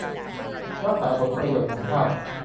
รักษาผลประโยชน์ของชาติ